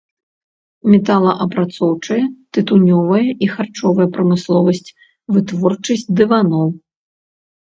Металаапрацоўчая, тытунёвая і харчовая прамысловасць, вытворчасць дываноў.